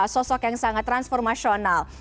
sosok yang sangat transformasional